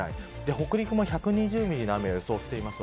北陸も１２０ミリの雨を予想しています。